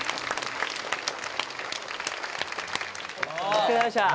お疲れさまでした。